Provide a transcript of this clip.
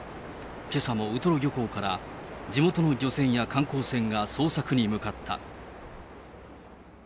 けさもウトロ漁港から、地元の漁船や観光船が捜索に向かった。